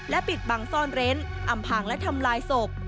ปิดบังซ่อนเร้นอำพางและทำลายศพ